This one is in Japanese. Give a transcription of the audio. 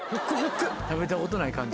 食べたことない感じ？